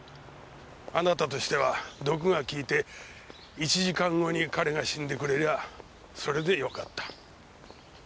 あなたとしては毒が効いて１時間後に彼が死んでくれりゃあそれでよかった。